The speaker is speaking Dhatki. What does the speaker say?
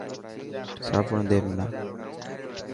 صابن ڏي منا.